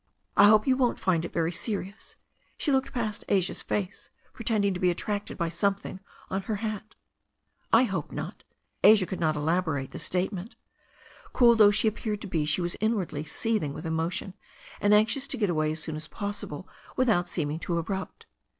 "I hope you won't find it very serious." She looked past Asia's face, pretending to be attracted by something on her hat. "I hope not." Asia could not elaborate the statement. Cool though she appeared to be she was inwardly seething with emotion, and anxious to get away as soon as possible without seeming too abrupt.